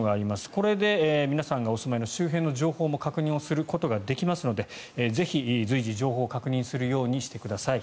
これで皆さんがお住まいの周辺の情報も確認することができますのでぜひ随時、情報を確認するようにしてください。